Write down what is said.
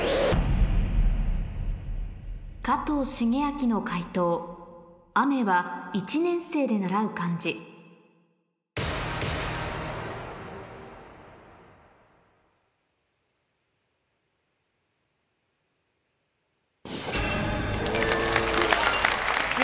加藤シゲアキの解答「雨は１年生で習う漢字」お！